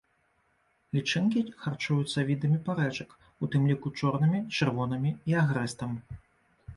Лічынкі харчуюцца відамі парэчак, у тым ліку чорнымі, чырвонымі і агрэстам.